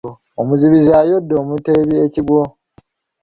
Omuzibizi ayodde omuteebi ekigwo.